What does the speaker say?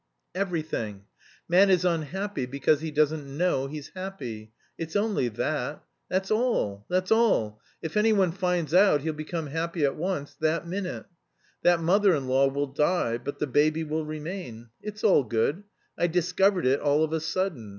"Everything. Man is unhappy because he doesn't know he's happy. It's only that. That's all, that's all! If anyone finds out he'll become happy at once, that minute. That mother in law will die; but the baby will remain. It's all good. I discovered it all of a sudden."